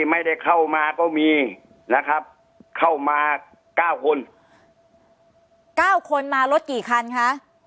ไม่ได้เข้ามาก็มีนะครับเข้ามาเก้าคนเก้าคนมารถกี่คันคะ